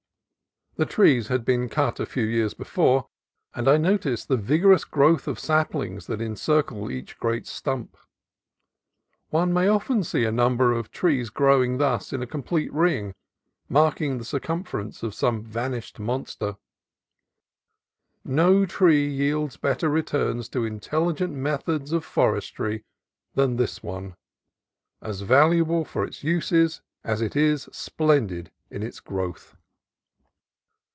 The trees had been cut a few years before, and I noted the vigorous growth of saplings that encircled each great stump. One may often see a number of the trees growing thus in a complete ring, marking the circumference of some vanished monster. No tree yields better returns to intelligent methods of for estry than this one, as valuable for its uses as it is splendid in its growth.